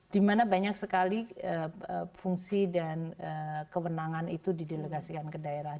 dimana banyak sekali fungsi dan kewenangan itu di delegasikan ke daerah